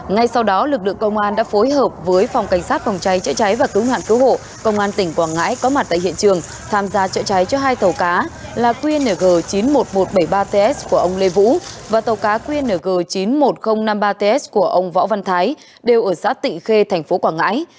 ngay sau đó lực lượng công an đã phối hợp với phòng cảnh sát phòng cháy chữa cháy và cứu nạn cứu hộ công an tỉnh quảng ngãi có mặt tại hiện trường tham gia trợ cháy cho hai tàu cá là qng chín mươi một nghìn một trăm bảy mươi ba ts của ông lê vũ và tàu cá qng chín mươi một nghìn năm mươi ba ts của ông võ văn thái đều ở xã tị khe tp quảng ngãi